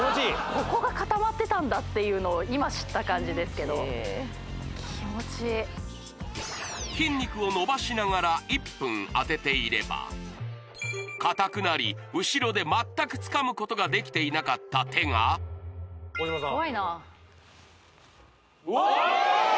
ここが固まってたんだっていうのを今知った感じですけど気持ちいい筋肉を伸ばしながら１分当てていれば硬くなり後ろで全くつかむことができていなかった手が大島さん怖いな・あっああ！